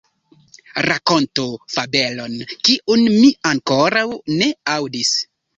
Rakontu fabelon, kiun mi ankoraŭ ne aŭdis.